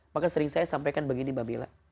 maka sering saya sampaikan begini mbak bella